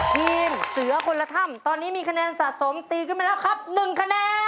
ทีมเสือคนละถ้ำตอนนี้มีคะแนนสะสมตีขึ้นมาแล้วครับ๑คะแนน